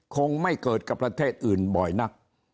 คงไม่เกิดกับประเทศอื่นบ่อยนัก